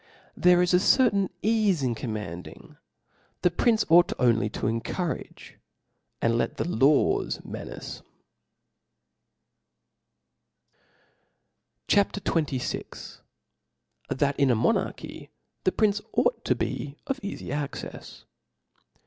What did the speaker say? There is a cer tain eafe In cominanding ; the prince ought only to encourage, and let the laws menace *. CHAP. XXVL T^at in a Monarchy the Prime ought to be of eafy Accefs.